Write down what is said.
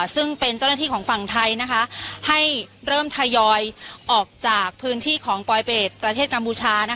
ซึ่งเป็นเจ้าหน้าที่ของฝั่งไทยให้เริ่มทยอยออกจากพื้นที่ของปลอยเป็ดประเทศกัมพูชา